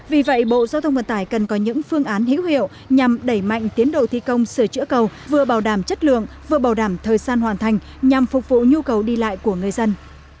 vì vậy bộ giao thông vận tải cần có những phương án hữu hiệu nhằm đẩy mạnh tiến độ thi công sửa chữa cầu vừa bảo đảm chất lượng vừa bảo đảm thời gian hoàn thành nhằm phục vụ nhu cầu đi lại của người dân